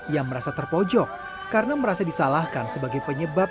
ia merasa terpojok karena merasa disalahkan sebagai penyebab